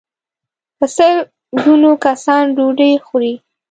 په سل ګونو کسان ډوډۍ خوري.